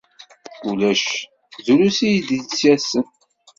Ulac, drus i d-yettasen.